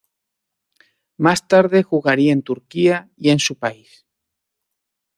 Más tarde jugaría en Turquía y en su país.